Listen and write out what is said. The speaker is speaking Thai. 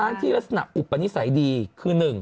ช้างที่ลักษณะอุปนิสัยดีคือหนึ่ง